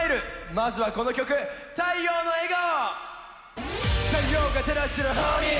まずはこの曲「太陽の笑顔」！